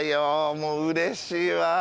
もううれしいわ。